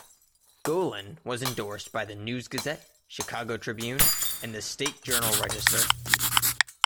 Gollin was endorsed by the "News-Gazette", "Chicago Tribune", and the "State Journal-Register".